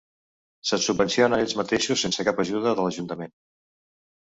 Se subvencionen ells mateixos sense cap ajuda de l'ajuntament.